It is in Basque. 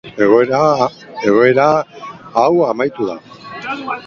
Egoera hau amaitu da.